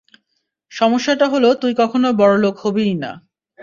সমস্যাটা হলো তুই কখনো বড়লোক হবিই না।